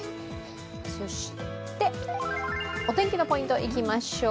そして、お天気のポイントいきましょう。